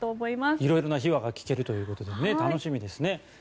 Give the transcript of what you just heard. いろいろな秘話が聞けるということで楽しみです。